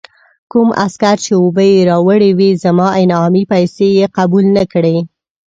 کوم عسکر چې اوبه یې راوړې وې، زما انعامي پیسې یې قبول نه کړې.